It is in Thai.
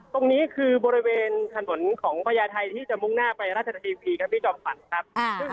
ตรงนี้คือบริเวณถนนของพญาไทยที่จะมุ่งหน้าไปราชทีวีครับพี่จอมขวัญครับ